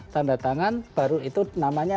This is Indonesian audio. tanda tangan baru itu namanya